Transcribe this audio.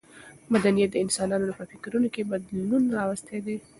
مدنیت د انسانانو په فکرونو کې بدلون راوستی دی.